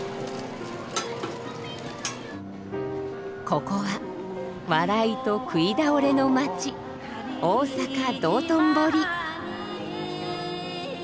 ここは笑いと食い倒れの街大阪・道頓堀。